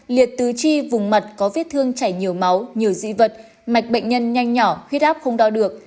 liệt tứ chi vùng mặt có vết thương chảy nhiều máu nhiều dị vật mạch bệnh nhân nhanh nhỏ huyết áp không đo được